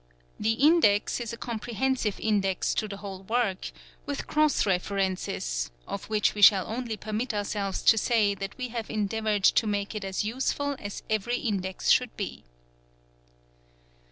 The Index is a comprehensive Index to the whole work, with cross references, of which we shall only permit ourselves to say that we have endeavoured to make it as useful as every index should be.